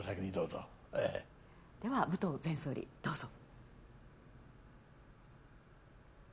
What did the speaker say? では武藤前総理どうぞ。